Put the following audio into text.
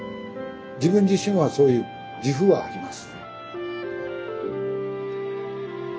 自分自身はそういう自負はあります。